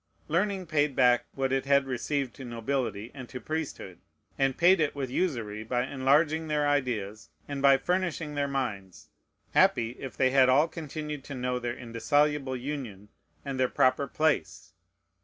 Learning paid back what it received to nobility and to priesthood, and paid it with usury, by enlarging their ideas, and by furnishing their minds. Happy, if they had all continued to know their indissoluble union, and their proper place!